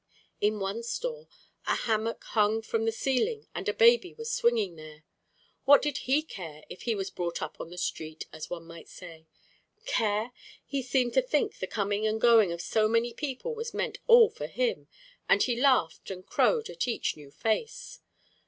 In one store a hammock hung from the ceiling and a baby was swinging there. What did he care if he was brought up on the street, as one might say? Care! He seemed to think the coming and going of so many people was meant all for him, and he laughed and crowed at each new face.